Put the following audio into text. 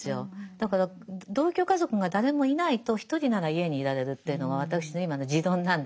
だから同居家族が誰もいないと１人なら家に居られるっていうのが私の今の持論なんですけどね。